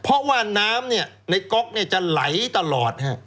เพราะว่าน้ำในก๊อกจะไหลตลอด